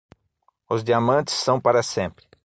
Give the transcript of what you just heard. Os diamantes são para sempre.